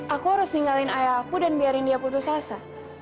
aku harus ninggalin ayah aku dan biarin dia putus asa